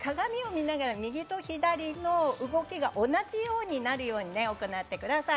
できるだけ鏡を見ながら右と左の動きが同じようになるように行ってください。